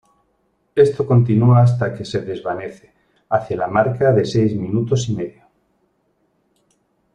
Esto continúa hasta que se desvanece hacia la marca de seis minutos y medio.